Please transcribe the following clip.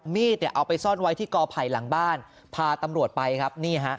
มีดเอาไปซ่อนไว้ที่ก่อภัยหลังบ้านพาตำรวจไปครับ